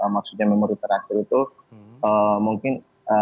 maksudnya memori terakhir itu mungkin